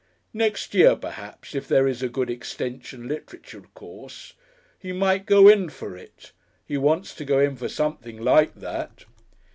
Next year, perhaps, if there is a good Extension Literature course, he might go in for it. He wants to go in for something like that."